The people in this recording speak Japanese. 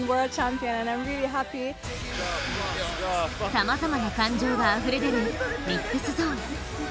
さまざまな感情があふれ出るミックスゾーン。